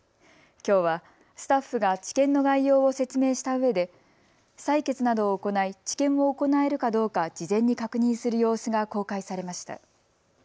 きょうはスタッフが治験の概要を説明したうえで採血などを行い、治験を行えるかどうか事前に確認する様子が公開されました。